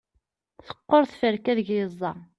teqqur tferka ideg yeẓẓa